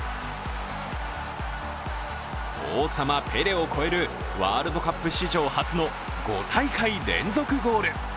王様ペレを超えるワールドカップ史上初の５大会連続ゴール。